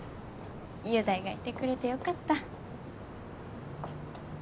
雄大がいてくれてよかった。